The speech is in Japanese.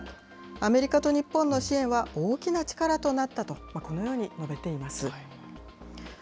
アメリカと日本の支援は大きな力となったと、このように述べています。